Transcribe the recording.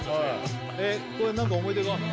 えっこれは何か思い出があるの？